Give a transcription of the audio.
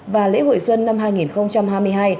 và lễ hội xuân năm hai nghìn hai mươi hai